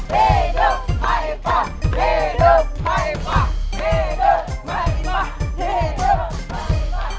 hidup maipa hidup maipa